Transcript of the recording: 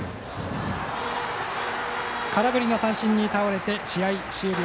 空振りの三振に倒れて試合終了。